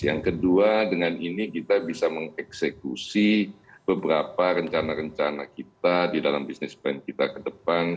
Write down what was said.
yang kedua dengan ini kita bisa mengeksekusi beberapa rencana rencana kita di dalam bisnis plan kita ke depan